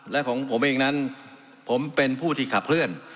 และของผมเองนั้นผมเป็นผู้ที่ขับเคลื่อน